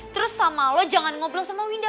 terus sama lo jangan ngobrol sama winda